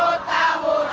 kami tak mau berpikir